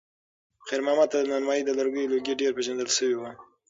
خیر محمد ته د نانوایۍ د لرګیو لوګی ډېر پیژندل شوی و.